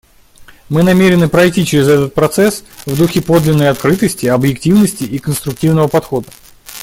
Мы намерены пройти через этот процесс в духе подлинной открытости, объективности и конструктивного подхода.